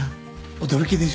驚きでしょ。